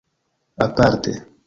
aparte